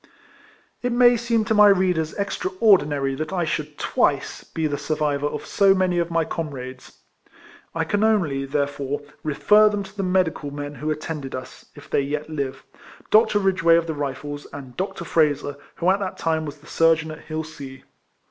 It may seem to my readers extraordinary that I should twice be the survivor of so many of my comrades. I can only, there fore, refer them to the medical men who at tended us, if they yet live, Dr. Eidgeway, of the Rifles, and Dr. Frazer, who at that time was the surgeon at Hilsea.